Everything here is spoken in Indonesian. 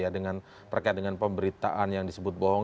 dengan perkembangan pemberitaan yang disebut bohong